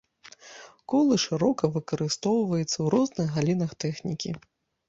Колы шырока выкарыстоўваецца ў розных галінах тэхнікі.